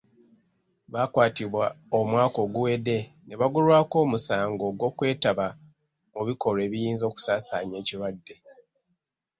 Baakwatibwa omwaka oguwedde ne baggulwako omusango gw'okwetaba mu bikolwa ebiyinza okusaasaanya ekirwadde.